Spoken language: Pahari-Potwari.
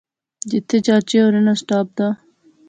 جتھے چاچے اوریں ناں سٹاپ دا